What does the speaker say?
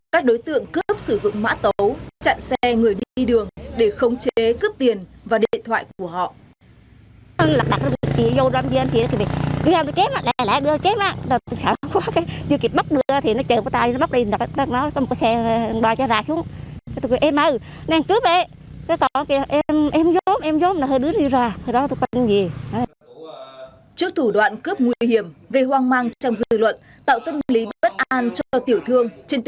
các đối tượng cướp sử dụng mã tấu chặn xe người đi đường để khống chế cướp tiền và điện thoại của họ